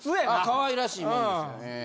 かわいらしいもんですええ。